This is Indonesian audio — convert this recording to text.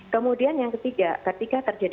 kemudian yang ketiga ketika terjadi